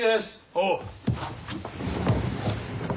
おう。